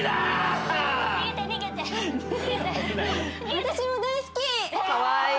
私も大好き！